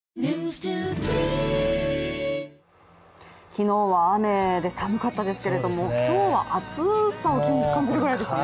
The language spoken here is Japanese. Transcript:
昨日は雨で寒かったですけれども今日は暑さを感じるくらいでしたね。